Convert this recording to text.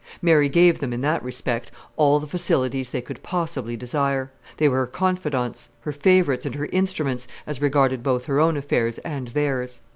Mary gave them, in that respect, all the facilities they could possibly desire; they were her confidants, her favorites, and her instruments, as regarded both her own affairs and theirs.